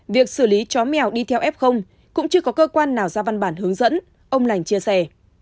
việc xử lý chó mèo đi theo f cũng chưa có cơ quan nào ra văn bản hướng dẫn ông lành chia sẻ